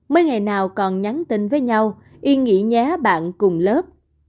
mấy ngày nào còn nhắn tin với nhau yên nghĩ nhé bạn cùng lớp